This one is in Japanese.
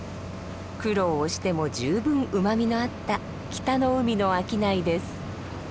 苦労をしても十分うまみのあった北の海の商いです。